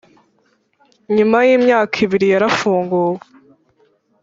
Nyuma y’imyaka ibiri yarafunguwe